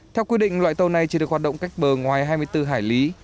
theo quy định loại tàu này chỉ được hoạt động cách bờ ngoài hai mươi bốn hải lý